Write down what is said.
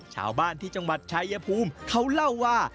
ชาวบ้านที่จังหวัดชายภูมิเขาเล่าว่า